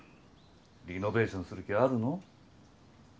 リノベーションする気あるの？